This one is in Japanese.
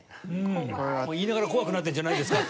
もう言いながら怖くなってるんじゃないですか？